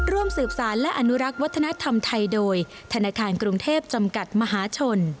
ร่วมสืบสารและอนุรักษ์วัฒนธรรมไทยโดยธนาคารกรุงเทพจำกัดมหาชน